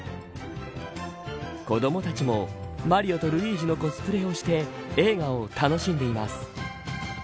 子どもたちも、マリオとルイージのコスプレをして映画を楽しんでいます。